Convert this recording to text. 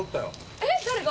えっ、誰が？